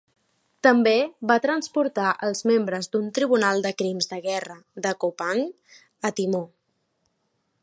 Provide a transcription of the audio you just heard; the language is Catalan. També va transportar els membres d'un tribunal de crims de guerra de Koepang a Timor.